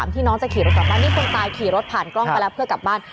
ที่น้องจะขี่รถกลับบ้านนี่คนตายขี่รถผ่านกล้องไปแล้วเพื่อกลับบ้าน